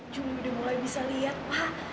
jum udah mulai bisa lihat pak